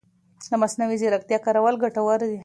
د مصنوعي ځېرکتیا کارول ګټور دي.